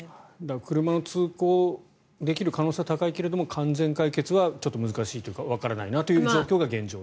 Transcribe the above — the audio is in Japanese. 車が通行できる可能性は高いけれども完全解決はちょっと難しいというかわからないというのが現状と。